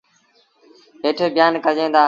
هيٽ بيآݩ ڪجين دآ۔